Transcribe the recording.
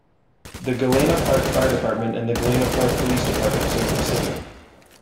The Galena Park Fire Department and the Galena Park Police Department serve the city.